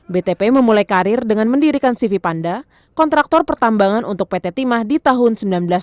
btp memulai karir dengan mendirikan sivi panda kontraktor pertambangan untuk pt timah di tahun seribu sembilan ratus sembilan puluh